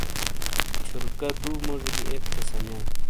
چھورکا دو موجوی گی اک تھے سنیا۔